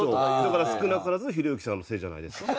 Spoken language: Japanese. だから少なからずひろゆきさんのせいじゃないですかね？